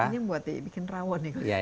ini buat bikin rawon ya kalau saya paham